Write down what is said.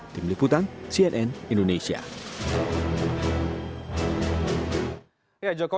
tim liputan cnn indonesia